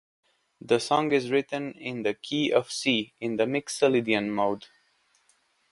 The song is written in the key of C, in the Mixolydian mode.